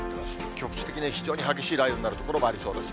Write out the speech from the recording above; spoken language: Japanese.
局地的に非常に激しい雷雨になる所もありそうです。